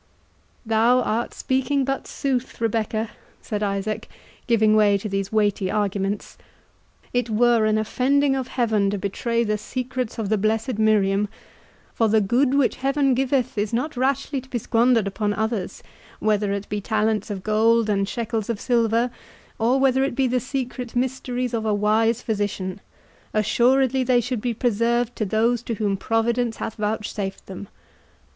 "Thou art speaking but sooth, Rebecca," said Isaac, giving way to these weighty arguments—"it were an offending of Heaven to betray the secrets of the blessed Miriam; for the good which Heaven giveth, is not rashly to be squandered upon others, whether it be talents of gold and shekels of silver, or whether it be the secret mysteries of a wise physician—assuredly they should be preserved to those to whom Providence hath vouchsafed them.